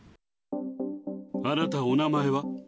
あなた、お名前は？